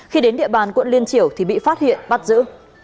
khi đến địa bàn quận liên triểu thì bị phát hiện bắt giữ